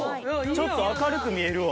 ちょっと明るく見えるわ。